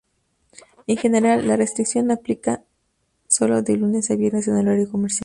En general, la restricción aplica solo de lunes a viernes en el horario comercial.